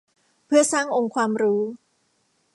เพื่อสร้างองค์ความรู้